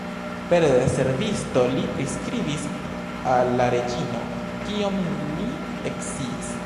Pere de servisto li priskribis al la reĝino, kion li eksciis.